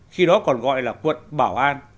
khi đó còn gọi là quận bảo an